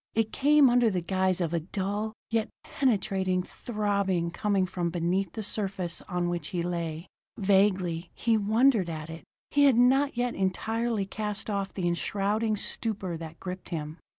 It came under the guise of a dull, yet penetrating throbbing coming from beneath the surface on which he lay. Vaguely he wondered at it; he had not yet entirely cast off the enshrouding stupor that gripped him.